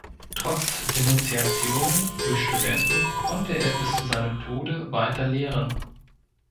Trotz Denunziationen durch Studenten konnte er bis zu seinem Tode weiter lehren.